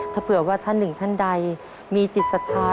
ถ้าเผื่อว่าท่านหนึ่งท่านใดมีจิตศรัทธา